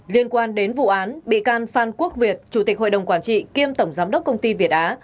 liên quan đến vụ án bị can phan quốc việt chủ tịch hội đồng quản trị kiêm tổng giám đốc công ty việt á